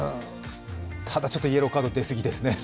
ただ、ちょっとイエローカード出過ぎですね。